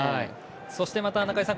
そしてまた、中居さん